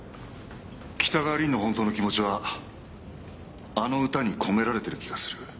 北川凛の本当の気持ちはあの歌に込められている気がする。